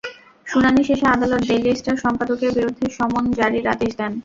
শুনানি শেষে আদালত ডেইলি স্টার সম্পাদকের বিরুদ্ধে সমন জারির আদেশ দেন।